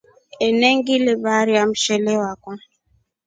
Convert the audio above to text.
Enengivaria mshele wakwa.